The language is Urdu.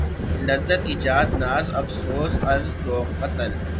لذت ایجاد ناز افسون عرض ذوق قتل